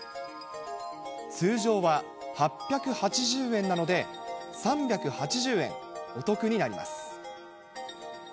通常は８８０円なので、３８０円お得になります。